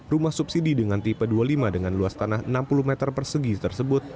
rumah subsidi dengan tipe dua puluh lima dengan luas tanah enam puluh meter persegi tersebut